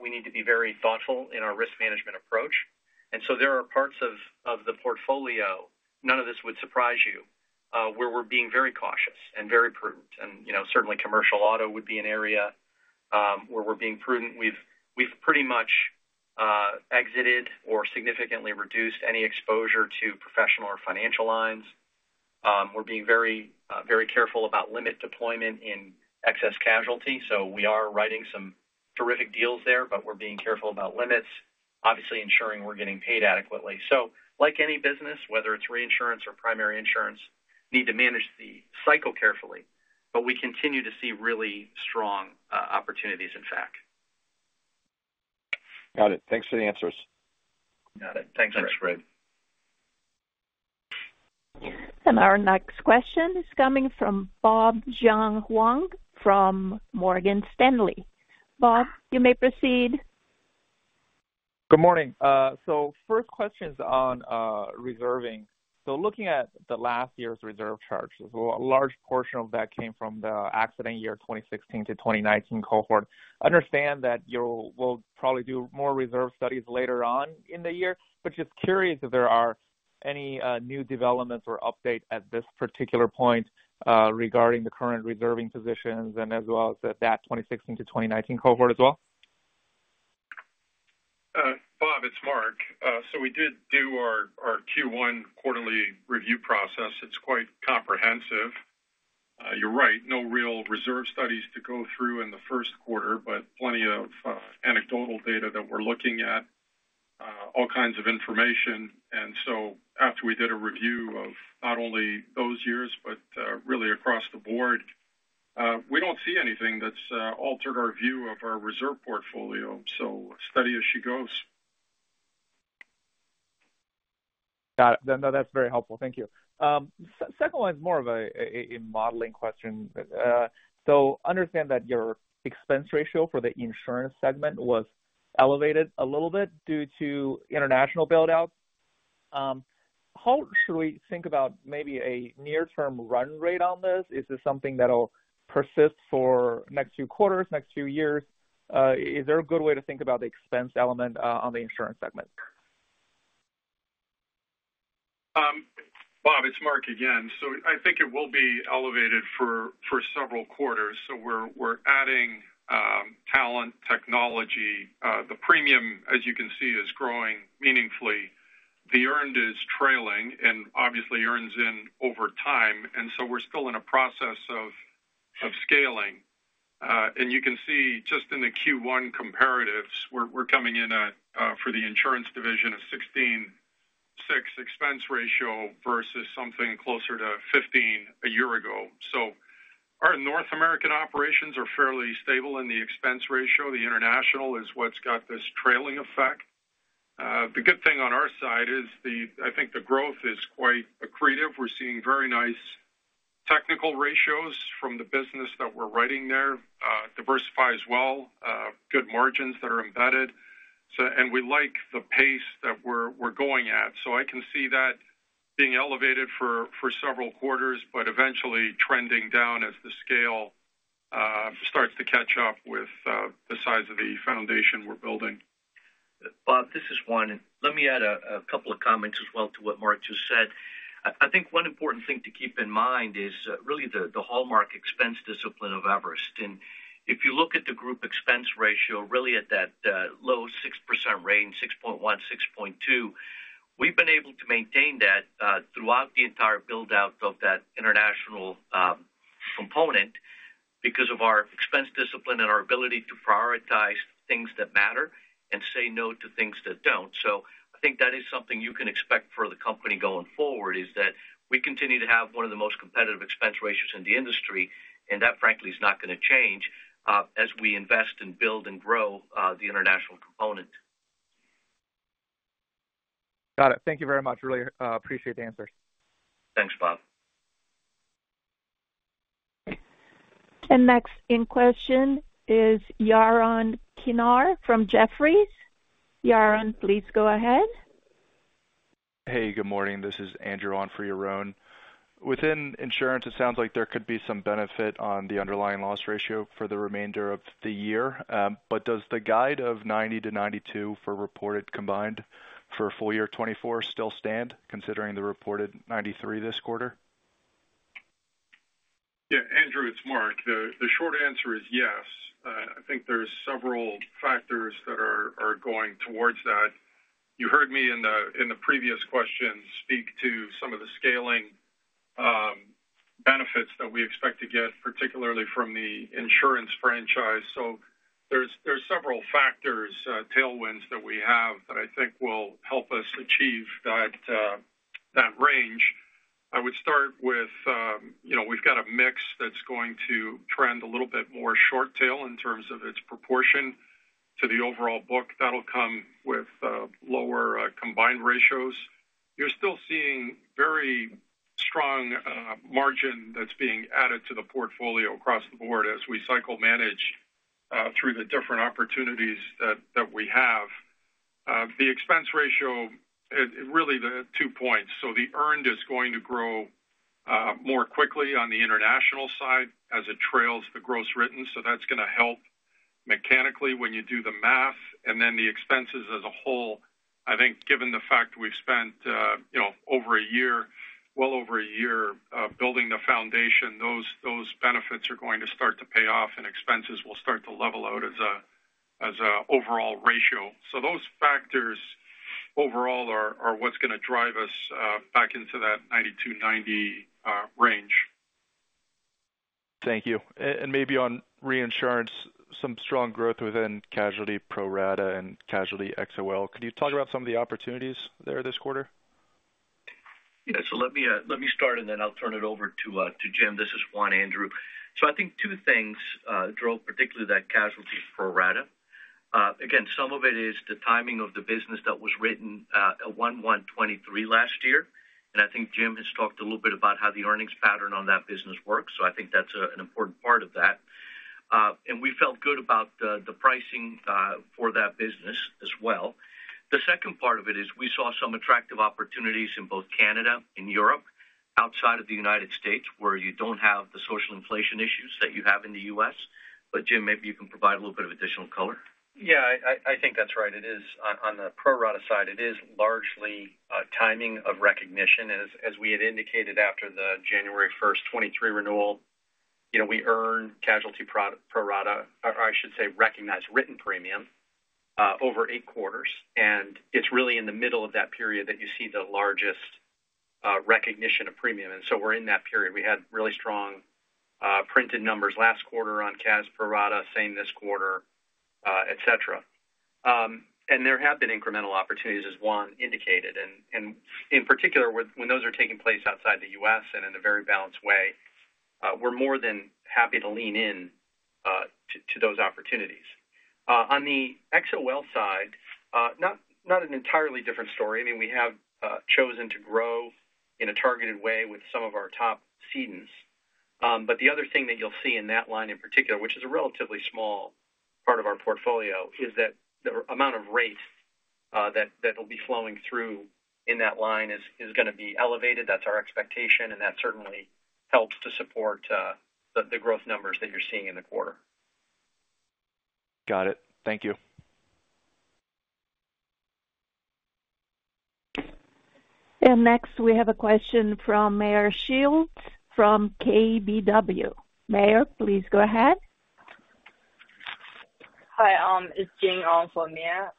F: we need to be very thoughtful in our risk management approach, and so there are parts of the portfolio, none of this would surprise you, where we're being very cautious and very prudent. And, you know, certainly commercial auto would be an area where we're being prudent. We've pretty much exited or significantly reduced any exposure to professional or financial lines. We're being very careful about limit deployment in excess casualty, so we are writing some terrific deals there, but we're being careful about limits, obviously ensuring we're getting paid adequately. So like any business, whether it's reinsurance or primary insurance, need to manage the cycle carefully, but we continue to see really strong opportunities in fact.
L: Got it. Thanks for the answers.
F: Got it. Thanks, Fred.
C: Thanks, Fred.
D: Our next question is coming from Bob Huang from Morgan Stanley. Bob, you may proceed.
M: Good morning. So first question is on reserving. So looking at the last year's reserve charges, a large portion of that came from the accident year 2016 to 2019 cohort. I understand that you will probably do more reserve studies later on in the year, but just curious if there are any new developments or updates at this particular point regarding the current reserving positions and as well as that 2016 to 2019 cohort as well?
C: Bob, it's Mark. So we did do our Q1 quarterly review process. It's quite comprehensive. You're right, no real reserve studies to go through in the first quarter, but plenty of anecdotal data that we're looking at all kinds of information. And so after we did a review of not only those years, but really across the board, we don't see anything that's altered our view of our reserve portfolio, so steady as she goes.
M: Got it. No, that's very helpful. Thank you. Second one is more of a modeling question. So understand that your expense ratio for the insurance segment was elevated a little bit due to international build out. How should we think about maybe a near-term run rate on this? Is this something that'll persist for next few quarters, next few years? Is there a good way to think about the expense element on the insurance segment?
C: Bob, it's Mark again. So I think it will be elevated for several quarters. So we're adding talent, technology. The premium, as you can see, is growing meaningfully. The earned is trailing and obviously earns in over time, and so we're still in a process of scaling. And you can see just in the Q1 comparatives, we're coming in at for the insurance division, a 16.6 expense ratio versus something closer to 15 a year ago. So our North American operations are fairly stable in the expense ratio. The international is what's got this trailing effect. The good thing on our side is the—I think the growth is quite accretive. We're seeing very nice technical ratios from the business that we're writing there, diversify as well, good margins that are embedded. And we like the pace that we're going at. So I can see that being elevated for several quarters, but eventually trending down as the scale starts to catch up with the size of the foundation we're building.
F: Bob, this is Juan. Let me add a couple of comments as well to what Mark just said. I think one important thing to keep in mind is really the hallmark expense discipline of Everest. And if you look at the group expense ratio really at that low 6% range, 6.1, 6.2, we've been able to maintain that throughout the entire build out of that international component because of our expense discipline and our ability to prioritize things that matter and say no to things that don't. So I think that is something you can expect for the company going forward, is that we continue to have one of the most competitive expense ratios in the industry, and that, frankly, is not going to change as we invest and build and grow the international component.
M: Got it. Thank you very much. Really, appreciate the answers.
F: Thanks, Bob.
D: Next in question is Yaron Kinar from Jefferies. Yaron, please go ahead.
L: Hey, good morning. This is Andrew on for Yaron. Within insurance, it sounds like there could be some benefit on the underlying loss ratio for the remainder of the year, but does the guide of 90 to 92 for reported combined for full year 2024 still stand, considering the reported 93 this quarter?
C: Yeah, Andrew, it's Mark. The short answer is yes. I think there's several factors that are going towards that. You heard me in the previous question speak to some of the scaling benefits that we expect to get, particularly from the insurance franchise. So there's several factors, tailwinds that we have that I think will help us achieve that....
B: I would start with, you know, we've got a mix that's going to trend a little bit more short tail in terms of its proportion to the overall book. That'll come with lower combined ratios. You're still seeing very strong margin that's being added to the portfolio across the board as we cycle manage through the different opportunities that we have. The expense ratio, it really the two points. So the earned is going to grow more quickly on the international side as it trails the gross written, so that's gonna help mechanically when you do the math and then the expenses as a whole. I think given the fact we've spent, you know, over a year, well over a year, building the foundation, those benefits are going to start to pay off and expenses will start to level out as a overall ratio. So those factors overall are what's gonna drive us back into that 92, 90 range.
L: Thank you. And maybe on reinsurance, some strong growth within casualty pro rata and casualty XOL. Could you talk about some of the opportunities there this quarter?
B: Yeah. So let me let me start, and then I'll turn it over to Jim. This is Juan Andrade. So I think two things drove, particularly that casualty pro rata. Again, some of it is the timing of the business that was written at January 1, 2023 last year. And I think Jim has talked a little bit about how the earnings pattern on that business works, so I think that's an important part of that. And we felt good about the pricing for that business as well. The second part of it is we saw some attractive opportunities in both Canada and Europe, outside of the United States, where you don't have the social inflation issues that you have in the US. But, Jim, maybe you can provide a little bit of additional color.
F: Yeah, I think that's right. It is on the pro rata side, it is largely timing of recognition. As we had indicated after the January 1, 2023 renewal, you know, we earn casualty pro rata, or I should say, recognized written premium over 8 quarters, and it's really in the middle of that period that you see the largest recognition of premium, and so we're in that period. We had really strong printed numbers last quarter on casualty pro rata, same this quarter, et cetera. And there have been incremental opportunities, as Juan indicated, and in particular, when those are taking place outside the US and in a very balanced way, we're more than happy to lean in to those opportunities. On the XOL side, not an entirely different story. I mean, we have chosen to grow in a targeted way with some of our top cedents. But the other thing that you'll see in that line in particular, which is a relatively small part of our portfolio, is that the amount of rates that will be flowing through in that line is gonna be elevated. That's our expectation, and that certainly helps to support the growth numbers that you're seeing in the quarter.
L: Got it. Thank you.
D: Next, we have a question from Meyer Shields, from KBW. Meyer, please go ahead.
N: Hi, it's Jia Ong for Meyer.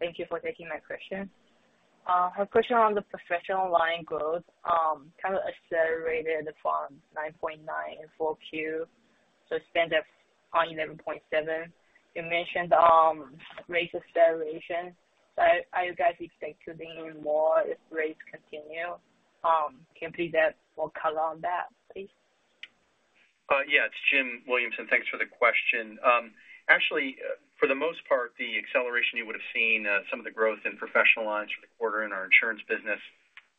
N: Thank you for taking my question. My question on the professional line growth, kind of accelerated from 9.9 in 4Q, so it's been at 11.7. You mentioned, rate acceleration, so are you guys expecting more if rates continue? Can you please give more color on that, please?
F: Yeah, it's Jim Williamson. Thanks for the question. Actually, for the most part, the acceleration you would have seen, some of the growth in professional lines for the quarter in our insurance business,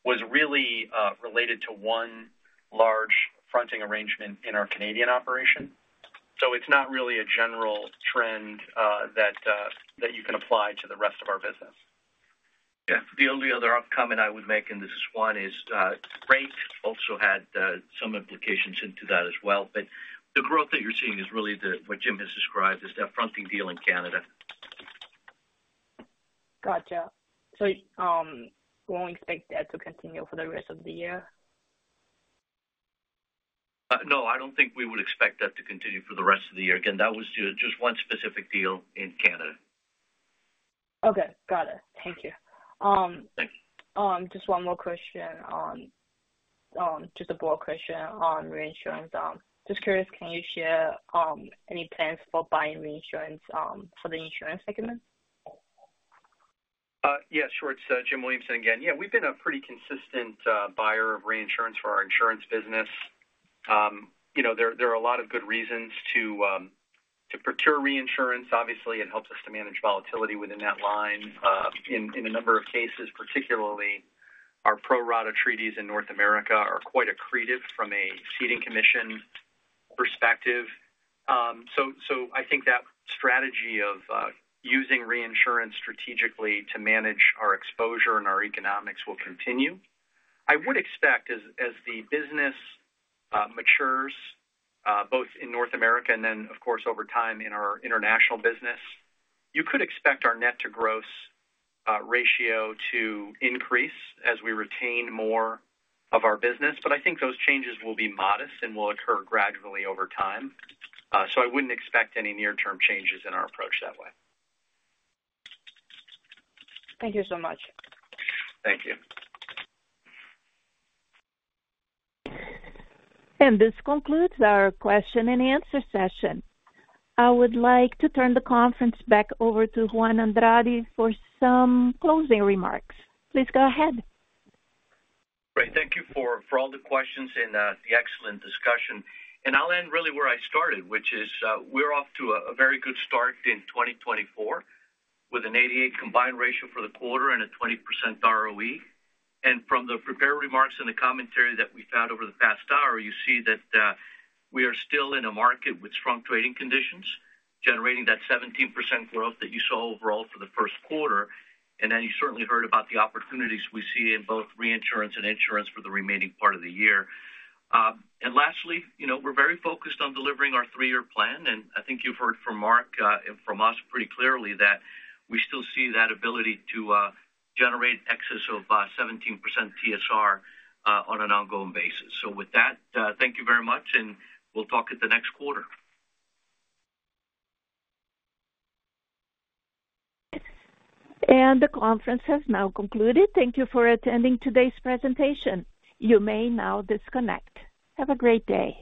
F: was really related to one large fronting arrangement in our Canadian operation. So it's not really a general trend, that you can apply to the rest of our business.
B: Yeah. The only other outcome I would make, and this is Juan, is, rate also had, some implications into that as well, but the growth that you're seeing is really the... what Jim has described as that fronting deal in Canada.
N: Gotcha. So, we won't expect that to continue for the rest of the year?
B: No, I don't think we would expect that to continue for the rest of the year. Again, that was just one specific deal in Canada.
N: Okay, got it. Thank you.
B: Thank you.
N: Just one more question on just a broad question on reinsurance. Just curious, can you share any plans for buying reinsurance for the insurance segment?
F: Yes, sure. It's Jim Williamson again. Yeah, we've been a pretty consistent buyer of reinsurance for our insurance business. You know, there are a lot of good reasons to procure reinsurance. Obviously, it helps us to manage volatility within that line. In a number of cases, particularly our pro rata treaties in North America, are quite accretive from a ceding commission perspective. So I think that strategy of using reinsurance strategically to manage our exposure and our economics will continue. I would expect as the business matures, both in North America and then, of course, over time in our international business, you could expect our net to gross ratio to increase as we retain more of our business, but I think those changes will be modest and will occur gradually over time. So, I wouldn't expect any near-term changes in our approach that way.
N: Thank you so much.
F: Thank you.
D: This concludes our question and answer session. I would like to turn the conference back over to Juan Andrade for some closing remarks. Please go ahead.
B: Great. Thank you for all the questions and the excellent discussion. I'll end really where I started, which is, we're off to a very good start in 2024, with an 88 combined ratio for the quarter and a 20% ROE. From the prepared remarks and the commentary that we've had over the past hour, you see that we are still in a market with strong trading conditions, generating that 17% growth that you saw overall for the first quarter. You certainly heard about the opportunities we see in both reinsurance and insurance for the remaining part of the year. And lastly, you know, we're very focused on delivering our three-year plan, and I think you've heard from Mark and from us pretty clearly that we still see that ability to generate excess of 17% TSR on an ongoing basis. So with that, thank you very much, and we'll talk at the next quarter.
D: The conference has now concluded. Thank you for attending today's presentation. You may now disconnect. Have a great day.